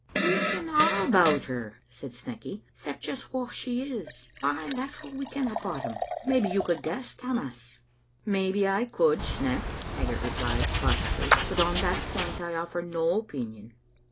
"We ken a' about her," said Snecky, "except just wha she is. Ay, that's what we canna bottom. Maybe you could guess, Tammas?" " Maybe I could, Sneck," Haggart replied, cautiously; "but on that point I offer no opinion."